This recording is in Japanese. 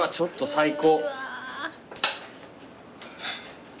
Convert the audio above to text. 最高。